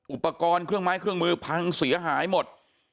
อุปกรณ์เครื่องไม้เครื่องมือพังเสียหายหมด